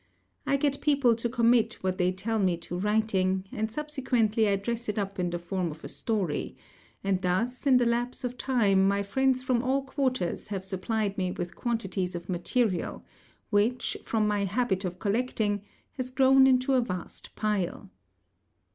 I get people to commit what they tell me to writing, and subsequently I dress it up in the form of a story; and thus in the lapse of time my friends from all quarters have supplied me with quantities of material, which, from my habit of collecting, has grown into a vast pile.